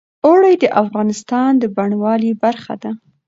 اوړي د افغانستان د بڼوالۍ برخه ده.